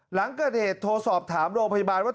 หลังเกิดเหตุโทรสอบถามโรงพยาบาลว่า